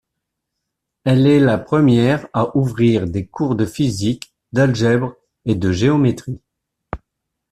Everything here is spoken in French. Elle est la première à ouvrir des cours de physique, d'algèbre et de géométrie.